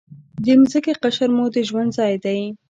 د ځمکې قشر مو د ژوند ځای دی.